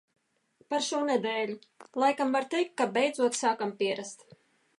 Par šo nedēļu. Laikam var teikt, ka beidzot sākam pierast.